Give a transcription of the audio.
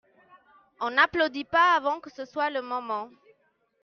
on n'applaudit pas avant que ce soit le moment.